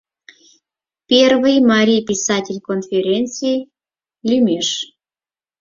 Первый Марий писатель конференций лӱмеш